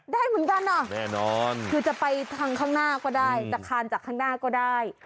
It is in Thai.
ได้เหมือนกันอ่ะแน่นอนคือจะไปทางข้างหน้าก็ได้จะคานจากข้างหน้าก็ได้